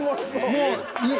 もういい。